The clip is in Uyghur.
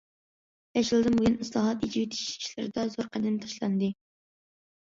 بەش يىلدىن بۇيان، ئىسلاھات، ئېچىۋېتىش ئىشلىرىدا زور قەدەم تاشلاندى.